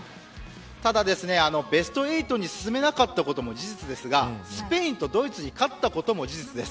ただ、ベスト８に進めなかったことも事実ですがスペインとドイツに勝ったことも事実です。